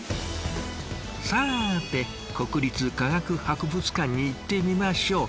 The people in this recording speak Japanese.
さて国立科学博物館に行ってみましょう。